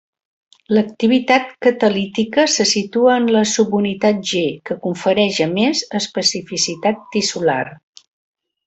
L'activitat catalítica se situa en la subunitat g, que confereix a més especificitat tissular.